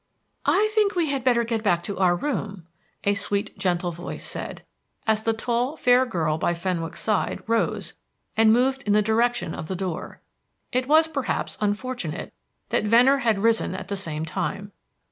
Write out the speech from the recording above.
"I think we had better get to our own room," a sweet, gentle voice said, as the tall, fair girl by Fenwick's side rose and moved in the direction of the door. It was, perhaps, unfortunate that Venner had risen at the same time.